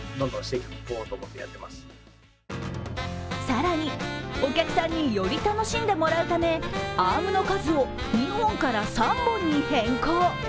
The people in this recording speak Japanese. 更に、お客さんにより楽しんでもらうためアームの数を２本から３本に変更。